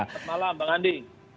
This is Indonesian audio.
selamat malam bang andi